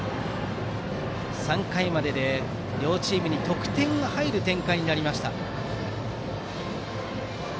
３回までで両チームに得点が入る展開になりました。